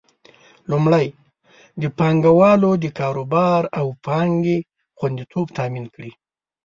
لومړی: د پانګوالو د کاروبار او پانګې خوندیتوب تامین کړي.